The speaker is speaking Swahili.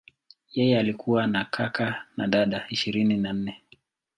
Yeye alikuwa na kaka na dada ishirini na nne.